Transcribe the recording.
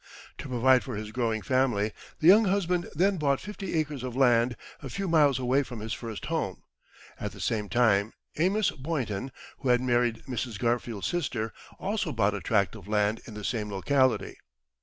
To provide for his growing family, the young husband then bought fifty acres of land, a few miles away from his first home. At the same time, Amos Boynton, who had married Mrs. Garfield's sister, also bought a tract of land in the same locality.